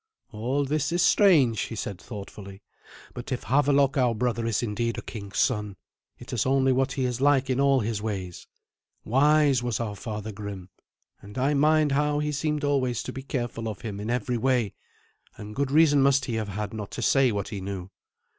"All this is strange," he said thoughtfully; "but if Havelok our brother is indeed a king's son, it is only what he is like in all his ways. Wise was our father Grim, and I mind how he seemed always to be careful of him in every way, and good reason must he have had not to say what he knew.